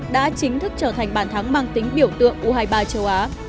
đã chính thức trở thành bàn thắng mang tính biểu tượng u hai mươi ba châu á